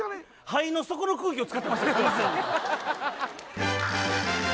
肺の底の空気を使ってました